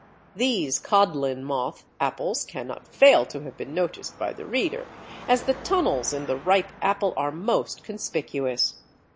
These codlin moth apples cannot fail to have been noticed by the reader, as the tunnels in the ripe apple are most conspicuous.